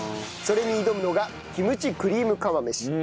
それに挑むのがキムチクリーム釜飯。